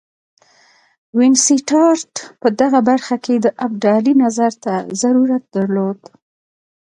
وینسیټارټ په دغه برخه کې د ابدالي نظر ته ضرورت درلود.